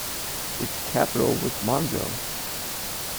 Its capital was Mongo.